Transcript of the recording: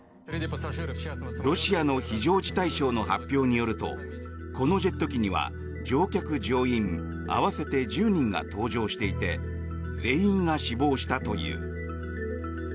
ロシアの非常事態省の発表によるとこのジェット機には乗客・乗員合わせて１０人が搭乗していて全員が死亡したという。